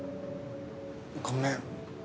ごめん。